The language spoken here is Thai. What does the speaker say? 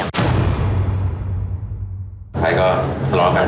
ให้ก็ทะเลาะกัน